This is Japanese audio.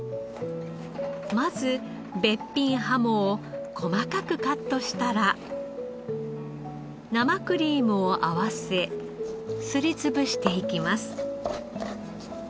まずべっぴんハモを細かくカットしたら生クリームを合わせすり潰していきます。